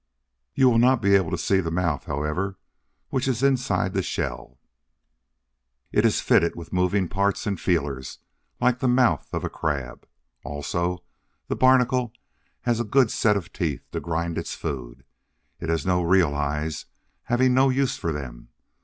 You will not be able to see the mouth, however, which is inside the shell. It is fitted with moving parts, and feelers, like the mouth of a crab. Also, the Barnacle has a good set of teeth to grind its food. It has no real eyes, having no use for them.